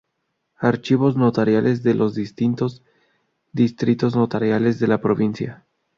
Archivos notariales de los distintos distritos notariales de la provincia.